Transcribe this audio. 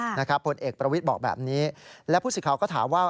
ผลเอกประวิทย์บอกแบบนี้และผู้สิทธิ์ข่าวก็ถามว่า